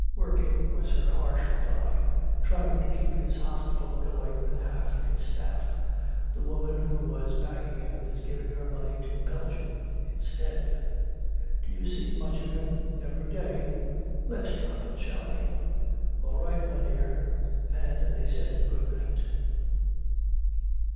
"Working," was her harsh reply. "Trying to keep his hospital going with half its staff. The woman who was backing him is giving her money to Belgium instead." "Do you see much of him?" "Every day. Let's drop it. Shall we?" "All right, my dear " And they said good night